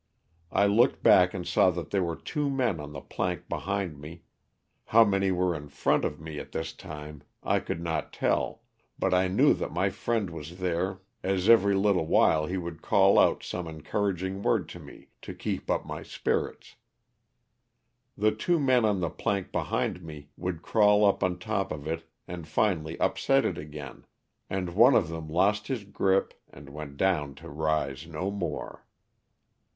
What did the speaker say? I looked back and saw that there were two men on the plank behind me, how many were in front of me at this time I could LOSS OF THE SULTAXA. 65 not tel], but I knew that my friend was there as every little while he would call out some encouraging word to me to keep up my spirits. The two men on the plank behind me would crawl up on top of it and finally upset it again, and one of them lost his grip and went down to rise no more.